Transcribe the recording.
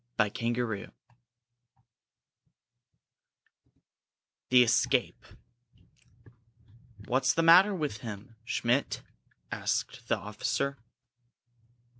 CHAPTER XIII THE ESCAPE "What's the matter with him, Schmidt!" asked the officer.